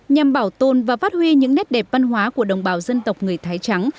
nhằm bảo tồn và phát huy những nét đẹp văn hóa của đồng bào dân tộc người thái trắng